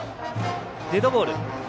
デッドボール。